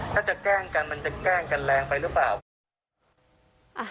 ถ้าจะแกล้งกันมันจะแกล้งกันแรงไปหรือเปล่า